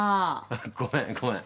ごめんごめん。